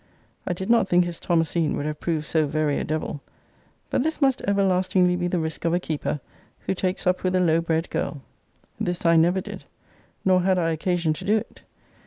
I did not think his Thomasine would have proved so very a devil. But this must everlastingly be the risk of a keeper, who takes up with a low bred girl. This I never did. Nor had I occasion to do it.